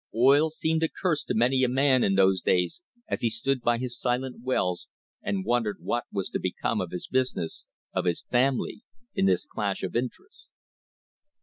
Oil seemed a curse to many a man in those days as he stood by his silent wells and wondered what was to become of his business, of his family, in this clash of interests.